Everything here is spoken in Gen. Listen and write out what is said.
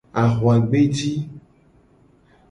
Ahuagbeji.